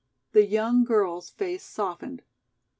" The young girl's face softened.